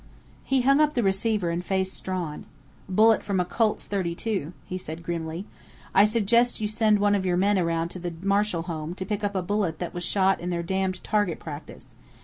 He hung up the receiver and faced Strawn. "Bullet from a Colt's .32," he said grimly. "I suggest you send one of your men around to the Marshall home to pick up a bullet that was shot in their damned target practice.